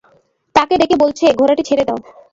তাকে ডেকে বলছে, ঘোড়াটি ছেড়ে দাও।